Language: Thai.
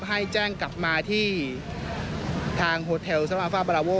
ให้แจ้งกลับมาที่ทางโฮเทลสนอัฟฟ้าประลาโว